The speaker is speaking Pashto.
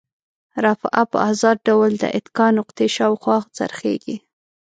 رافعه په ازاد ډول د اتکا نقطې شاوخوا څرخیږي.